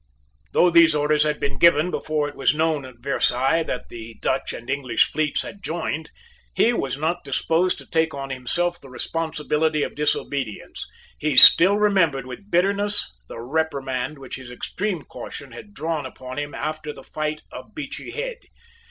Though these orders had been given before it was known at Versailles that the Dutch and English fleets had joined, he was not disposed to take on himself the responsibility of disobedience. He still remembered with bitterness the reprimand which his extreme caution had drawn upon him after the fight of Beachy Head.